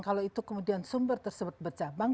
kalau itu kemudian sumber tersebut bercabang